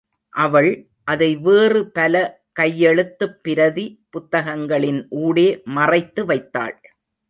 அவள், அதை வேறு பல கையெழுத்துப் பிரதி, புத்தகங்களின் ஊடே மறைத்து வைத்தாள்.